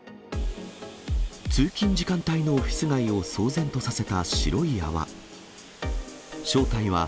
通勤時間帯のオフィス街を騒然とさせた白い泡。